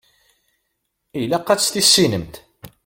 Ilaq ad tt-tissinemt.